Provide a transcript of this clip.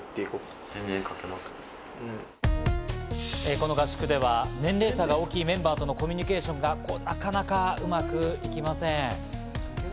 この合宿では、年齢差が大きいメンバーとのコミュニケーションがなかなかうまくいきません。